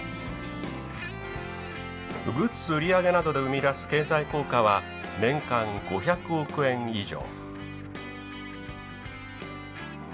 グッズ売り上げなどで生み出す経済効果は年間５００億円以上。